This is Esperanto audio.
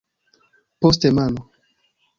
Poste mano.